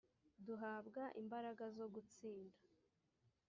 duhabwa imbaraga zo gutsinda